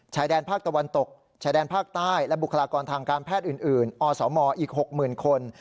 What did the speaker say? ชายแดนภาคตะวันตกชายแดนภาคใต้และบุคลากรทางการแพทย์อื่นอสมอีก๖๐๐๐คน